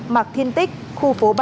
mạc thiên tích khu phố ba